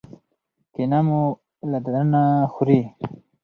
کینه مو له دننه خوري.